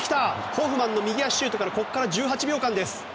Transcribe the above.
ホフマンの右足シュートから１８秒間です。